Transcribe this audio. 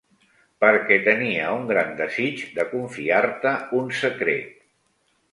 Perquè tenia un gran desig de confiar-te un secret.